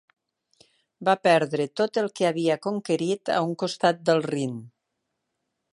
Va perdre tot el que havia conquerit a un costat del Rin.